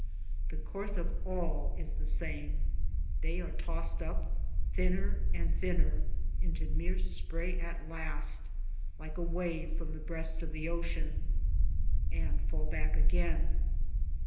The course of all is the same; they are tossed up thinner and thinner, into mere spray at last — like a wave from the breast of the Ocean — and fall back again.